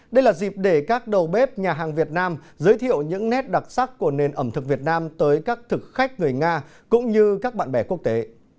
đây là dịp để các đầu bếp nhà hàng việt nam giới thiệu những nét đặc sắc của nền ẩm thực việt nam tới các thực khách người nga cũng như các bạn bè quốc tế